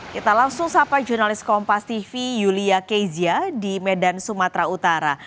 kita langsung sapa jurnalis kompas tv yulia kezia di medan sumatera utara